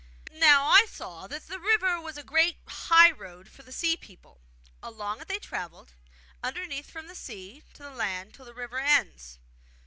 '' Now I saw that the river was a great high road for the sea people. Along it they travel underneath from the sea to the land till the river ends.